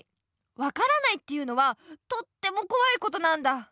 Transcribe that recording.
わからないっていうのはとってもこわいことなんだ。